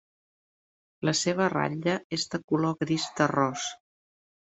La seva ratlla és de color gris terrós.